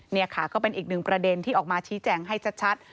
นี่ค่ะก็เป็นอีกหนึ่งประเด็นที่ออกมาชี้แจงให้ชัด